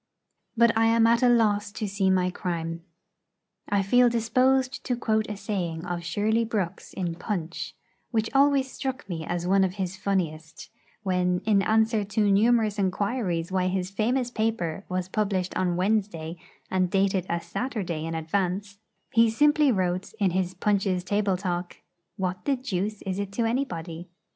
But I am at a loss to see my crime. I feel disposed to quote a saying of Shirley Brooks in Punch, which always struck me as one of his funniest, when, in answer to numerous inquiries why his famous paper was published on Wednesday, and dated a Saturday in advance, he simply wrote in his 'Punch's Table talk,' 'What the deuce is it to anybody?'